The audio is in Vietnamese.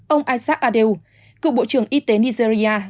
ông isaac adeu cựu bộ trưởng y tế nigeria